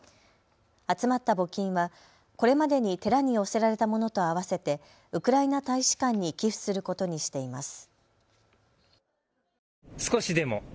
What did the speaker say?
集まった募金はこれまでに寺に寄せられたものと合わせてウクライナ大使館に寄付することにしています。